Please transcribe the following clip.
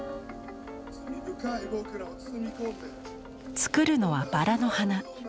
作るのは薔薇の花。